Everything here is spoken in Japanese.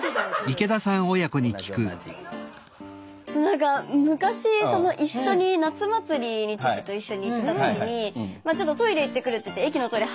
なんか昔一緒に夏祭りに父と一緒に行ってた時にちょっとトイレ行ってくるって言って駅のトイレ